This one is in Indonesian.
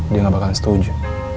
dia gak bakalan setuju